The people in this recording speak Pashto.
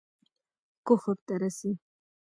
کفر ته رسي.